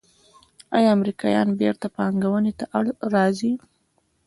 آیا امریکایان بیرته پانګونې ته راځí؟